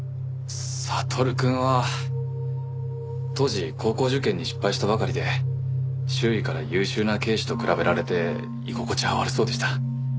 悟くんは当時高校受験に失敗したばかりで周囲から優秀な兄姉と比べられて居心地は悪そうでした。